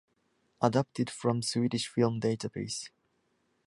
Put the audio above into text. Adapted from Swedish Film Database.